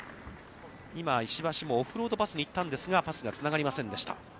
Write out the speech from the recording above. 今、石橋もオフロードパスに行ったんですがパスがつながりませんでした。